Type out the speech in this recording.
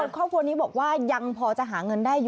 เข้าโทรจนี้บอกว่ายังพอจะหาเงินได้